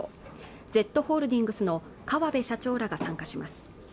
Ｚホールディングスの川邊社長らが参加します